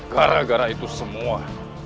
gara gara itu semua